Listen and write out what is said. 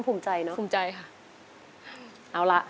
ภูมิใจเนอะ